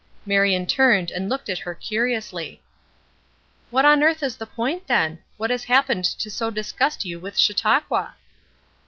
Marion turned and looked at her curiously. "What on earth is the point then? What has happened to so disgust you with Chautauqua?"